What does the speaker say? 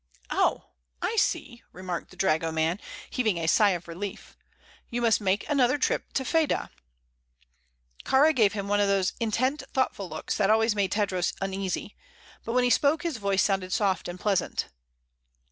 "Oh, I see!" remarked the dragoman, heaving a sigh of relief. "You must make another trip to Fedah." Kāra gave him one of those intent, thoughtful looks that always made Tadros uneasy; but when he spoke his voice sounded soft and pleasant.